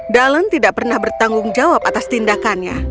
dalen tidak pernah bertanggung jawab atas tindakannya